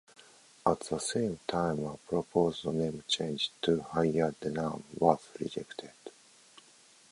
At the same time a proposed name change to 'Higher Denham' was rejected.